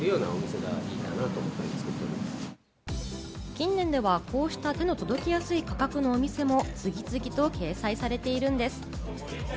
近年ではこうした手の届きやすい価格のお店も次々と掲載されているんです。